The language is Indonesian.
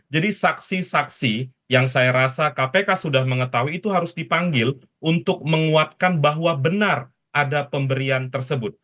jadi saksi saksi yang saya rasa kpk sudah mengetahui itu harus dipanggil untuk menguatkan bahwa benar ada pemberian tersebut